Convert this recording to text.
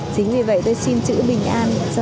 chính vì vậy tôi xin chữ bình an cho dân